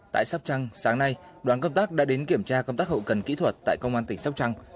tại sóc trăng sáng nay đoàn công tác đã đến kiểm tra công tác hậu cần kỹ thuật tại công an tỉnh sóc trăng